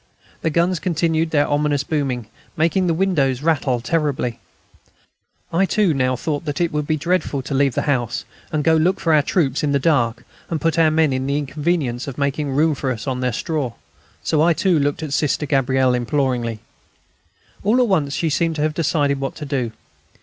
The guns continued their ominous booming, making the windows rattle terribly. I too thought now that it would be dreadful to leave the house, go and look for our troops in the dark, and put our men to the inconvenience of making room for us on their straw, so I too looked at Sister Gabrielle imploringly. All at once she seemed to have decided what to do.